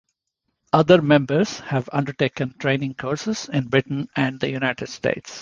Other members have undertaken training courses in Britain and the United States.